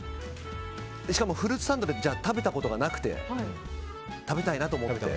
しかもフルーツサンドで食べたことがなくて食べたいなと思って。